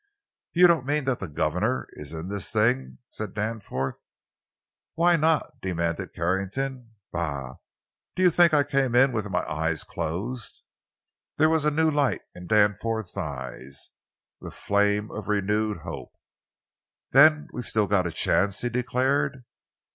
"You don't mean that the governor is in this thing?" said Danforth. "Why not?" demanded Carrington. "Bah! Do you think I came in with my eyes closed!" There was a new light in Danforth's eyes—the flame of renewed hope. "Then we've still got a chance," he declared.